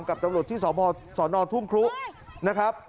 กับตำรวจที่สนทุ่งครุนะครับ